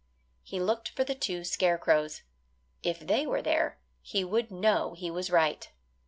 He looked for the two scarecrows. If they were there he would know he was right.